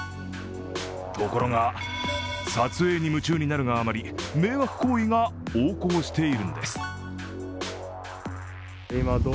ところが、撮影に夢中になるがあまり、迷惑行為が横行しているんです。